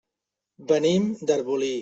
Venim d'Arbolí.